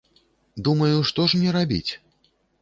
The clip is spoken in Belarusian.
Думаю, што ж мне рабіць?